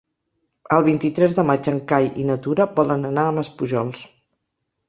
El vint-i-tres de maig en Cai i na Tura volen anar a Maspujols.